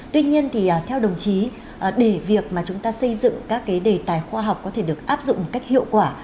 tuy nhiên thì theo đồng chí để việc mà chúng ta xây dựng các cái đề tài khoa học có thể được áp dụng một cách hiệu quả